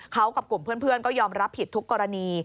เขากับกลุ่มเพื่อนก็ยอมรับผิดทุกกรณี